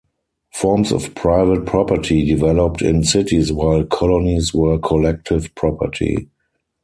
Forms of private property developed in cities while colonies were collective property.